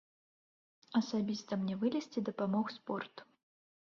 Асабіста мне вылезці дапамог спорт.